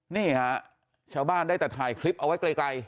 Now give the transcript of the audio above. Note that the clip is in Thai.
นี่ฮะชาวบ้านได้แต่ถ่ายคลิปเอาไว้ไกล